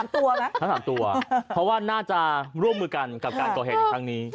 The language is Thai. ตัวไหมทั้ง๓ตัวเพราะว่าน่าจะร่วมมือกันกับการก่อเหตุในครั้งนี้